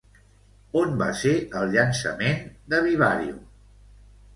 On va ser el llançament de Vivarium?